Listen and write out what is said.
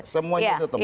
semuanya itu teman